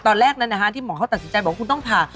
ตอนแรกนั้นที่หมอเขาตัดสินใจบอกคุณต้องผ่า